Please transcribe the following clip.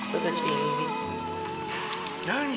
何？